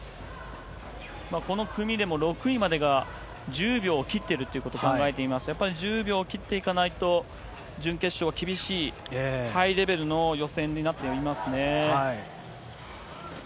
この組でも６位までが１０秒を切ってるっていうことを考えてみますと、やっぱり１０秒を切っていかないと、準決勝は厳しい、ハイレベルの予選になってはいますね。